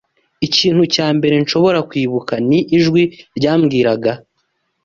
Ikintu cya mbere nshobora kwibuka ni ijwi ryambwiraga